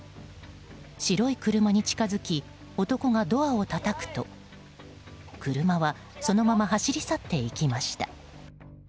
白い車に近づき男がドアをたたくと車はそのまま走り去っていきました。